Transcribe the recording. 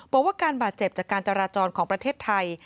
บอกว่าการบาดเจ็บจากการจราจรของประเทศไทย